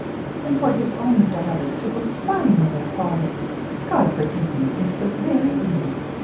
And for his own daughters to go spying on their father, God forgive me, is the very limit.